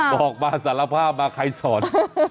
บอกมาสารภาพมาใครสอน